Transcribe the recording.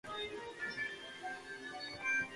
მის ცენტრად იქცა თბილისი.